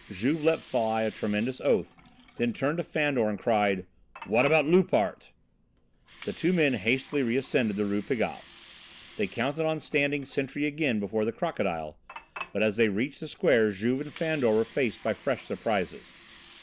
Juve let fly a tremendous oath, then turned to Fandor and cried: "How about Loupart?" The two men hastily reascended the Rue Pigalle. They counted on standing sentry again before the "Crocodile." But as they reached the square Juve and Fandor were faced by fresh surprises.